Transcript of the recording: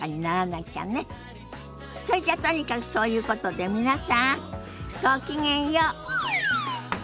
そいじゃとにかくそういうことで皆さんごきげんよう。